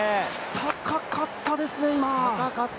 高かったですね、今。